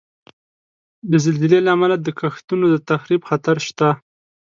د زلزلې له امله د کښتونو د تخریب خطر شته.